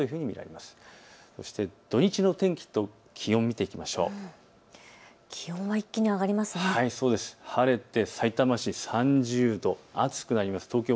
そして土日の天気と気温を見ていきましょう。